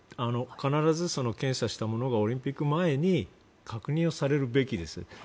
必ず検査したものがオリンピック前に確認をされるべきです。